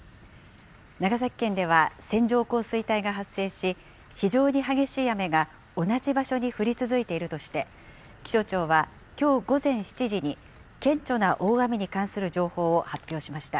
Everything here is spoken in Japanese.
長崎県では線状降水帯が発生し、非常に激しい雨が同じ場所に降り続いているとして、気象庁はきょう午前７時に、顕著な大雨に関する情報を発表しました。